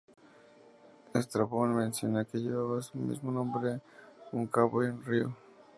Estrabón menciona que llevaba su mismo nombre un cabo y un río.